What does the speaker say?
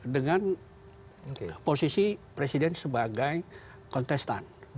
dengan posisi presiden sebagai kontestan